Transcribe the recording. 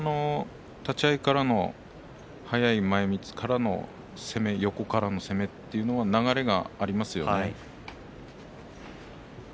立ち合いからの速い前みつからの横からの攻め流れがありますよね。